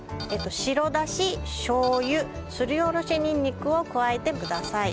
白だししょう油すりおろしにんにくを加えてください。